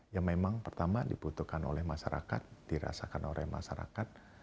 yang memang pertama dibutuhkan oleh masyarakat dirasakan oleh masyarakat